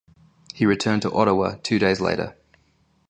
He returned to Ottawa two days later.